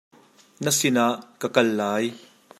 Na sinah ka kal lai.